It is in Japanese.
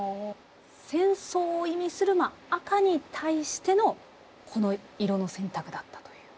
戦争を意味する赤に対してのこの色の選択だったという。